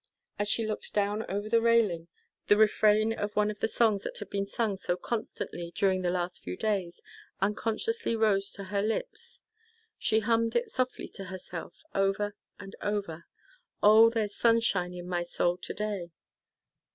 As she looked down over the railing, the refrain of one of the songs that had been sung so constantly during the last few days, unconsciously rose to her lips. She hummed it softly to herself, over and over, "O, there's sunshine in my soul to day."